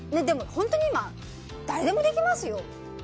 本当に今、誰でもできますよ。